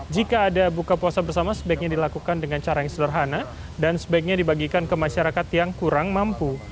jika ada buka puasa bersama sebaiknya dilakukan dengan cara yang sederhana dan sebaiknya dibagikan ke masyarakat yang kurang mampu